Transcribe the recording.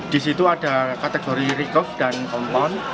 di situ ada kategori recov dan kompon